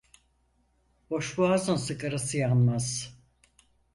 Boşboğazın sigarası yanmaz.